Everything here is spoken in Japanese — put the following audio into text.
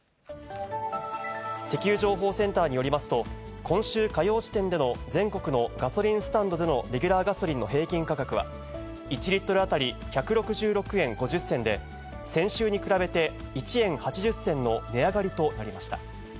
石油情報センターによりますと、今週火曜時点での全国のガソリンスタンドでのレギュラーガソリンの平均価格は、１リットル当たり１６６円５０銭で、先週に比べて１円８０銭の値上がりとなりました。